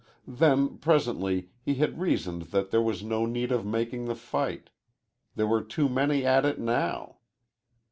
Then, presently, he had reasoned that there was no need of making the fight there were too many at it, now.